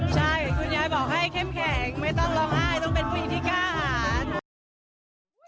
ใช่คุณยายบอกให้เข้มแข็งไม่ต้องร้องไห้ต้องเป็นผู้หญิงที่กล้าหาร